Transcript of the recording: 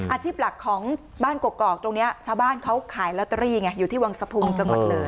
อาชีพหลักของบ้านกกอกตรงนี้ชาวบ้านเขาขายลอตเตอรี่ไงอยู่ที่วังสะพุงจังหวัดเลย